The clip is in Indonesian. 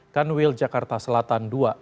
kanwil jakarta selatan ii